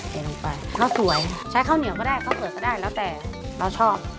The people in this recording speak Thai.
เทลงไปข้าวสวยใช้ข้าวเหนียวก็ได้ข้าวเผือกก็ได้แล้วแต่เราชอบ